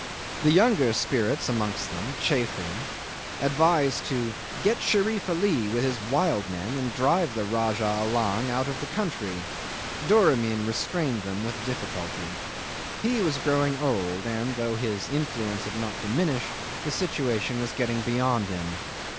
The younger spirits amongst them, chaffing, advised to "get Sherif Ali with his wild men and drive the Rajah Allang out of the country." Doramin restrained them with difficulty. He was growing old, and, though his influence had not diminished, the situation was getting beyond him.